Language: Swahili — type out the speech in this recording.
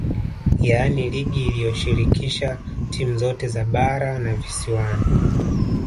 Yaani ligi iliyoshirikisha timu zote za bara na visiwani